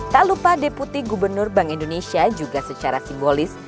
tak lupa deputi gubernur bank indonesia juga secara simbolis